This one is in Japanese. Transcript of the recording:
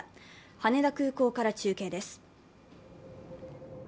羽田空港から中継です。